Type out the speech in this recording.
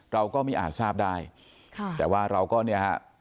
เราก็ไม่อาจทราบได้ค่ะแต่ว่าเราก็เนี่ยฮะ